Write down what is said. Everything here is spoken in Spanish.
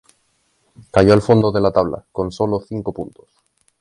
Cayó al fondo de la tabla, con solo cinco puntos.